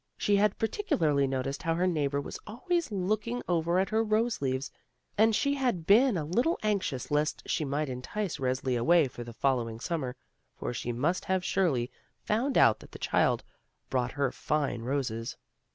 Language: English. She had partic ularly noticed how her neighbor was always look ing over at her rose leaves, and she had been a little anxious lest she might entice Resli away for the following Summer, for she must have surely found out that the child brought her fine roses.